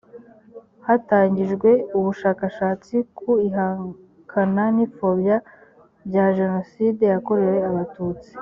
hatangijwe ubushakashatsi ku ihakana n ipfobya bya jenoside yakorewe abatutsi